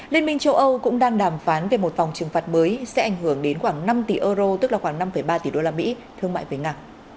liên minh châu âu cũng đang đàm phán về một vòng trừng phạt mới sẽ ảnh hưởng đến khoảng năm tỷ euro tức là khoảng năm ba tỷ đô la mỹ thương mại với nga